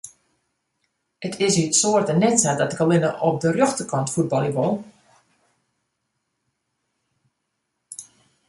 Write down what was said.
It is út soarte net sa dat ik allinne op de rjochterkant fuotbalje wol.